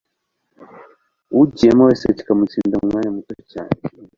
ugiyemo wese kikamutsinda mumwanya muto cyane